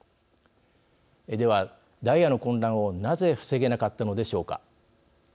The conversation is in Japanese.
では、ダイヤの混乱をなぜ防げなかったのでしょうか。